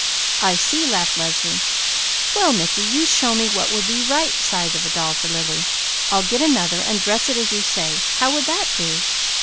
"I see," laughed Leslie. "Well Mickey, you show me what would be the right size of a doll for Lily. I'll get another, and dress it as you say. How would that do?"